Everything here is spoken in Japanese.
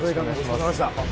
お疲れさまでした。